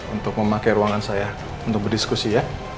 untuk memakai ruangan saya untuk berdiskusi ya